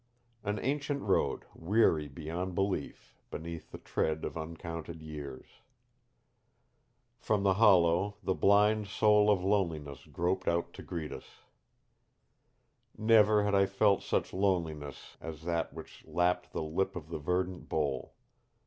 An ancient road weary beyond belief beneath the tread of uncounted years. From the hollow the blind soul of loneliness groped out to greet us! Never had I felt such loneliness as that which lapped the lip of the verdant bowl.